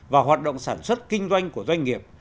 và hoạt động sản xuất kinh doanh của doanh nghiệp